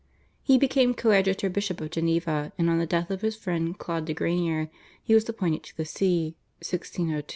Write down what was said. He became coadjutor bishop of Geneva, and on the death of his friend Claude de Granier he was appointed to the See (1602).